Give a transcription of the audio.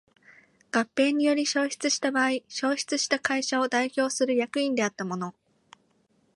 合併により消滅した場合消滅した会社を代表する役員であった者